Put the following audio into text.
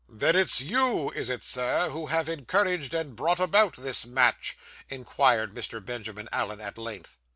'Then it's you, is it, Sir, who have encouraged and brought about this match?' inquired Mr. Benjamin Allen at length.